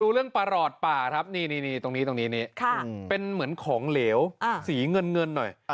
เรื่องประหลอดป่าครับนี่ตรงนี้ตรงนี้เป็นเหมือนของเหลวสีเงินหน่อย